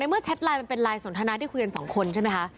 เมื่อแชทไลน์มันเป็นไลน์สนทนาที่คุยกันสองคนใช่ไหมคะ